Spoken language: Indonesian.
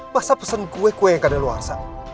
masa pesen kue kue yang kada luar pak